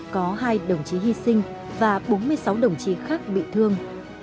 có hai đồng chí hy sinh và bốn mươi sáu đồng chí khác bị thương